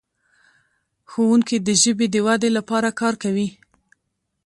ښوونکي د ژبې د ودې لپاره کار کوي.